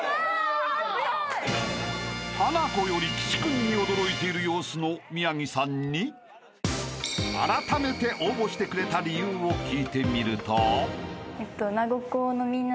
［ハナコより岸君に驚いている様子の宮城さんにあらためて応募してくれた理由を聞いてみると］